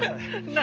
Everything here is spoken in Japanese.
何？